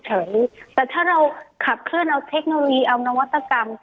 แต่ถ้าเราขับเคลื่อนเอาเทคโนโลยีเอานวัตกรรม